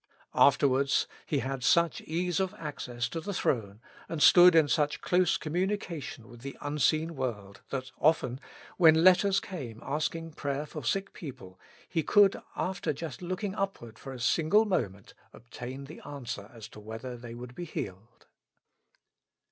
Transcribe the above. Afterwards he had such ease of access to the throne, and stood in such close communication with the unseen world, that often, when letters came asking prayer for sick people, he could, after just looking upward for a single moment, obtain the answer as to whether they would be healed.